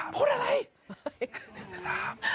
พูดอะไร